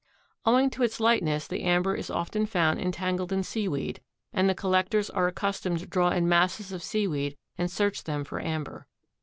Owing to its lightness the amber is often found entangled in seaweed and the collectors are accustomed to draw in masses of seaweed and search them for amber.